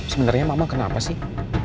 sebenernya mama kenapa sih